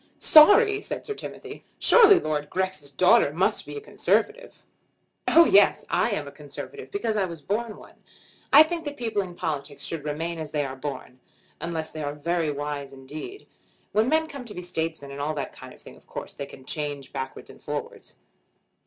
"Sorry!" said Sir Timothy. "Surely Lord Grex's daughter must be a Conservative." "Oh yes; I am a Conservative because I was born one. I think that people in politics should remain as they are born, unless they are very wise indeed. When men come to be statesmen and all that kind of thing, of course they can change backwards and forwards."